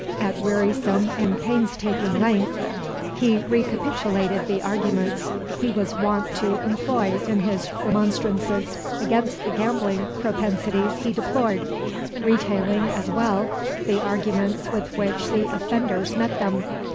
At wearisome and painstaking length he recapitulated the arguments he was wont to employ in his remonstrances against the gambling propensities he deplored, retailing, as well, the arguments with which the offenders met them.